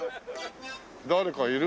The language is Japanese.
誰かいる？